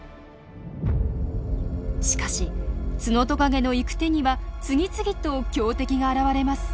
しかしツノトカゲの行く手には次々と強敵が現れます。